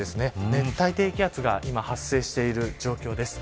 熱帯低気圧が今、発生している状況です。